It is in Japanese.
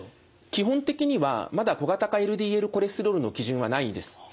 基本的にはまだ小型化ＬＤＬコレステロールの基準はないです。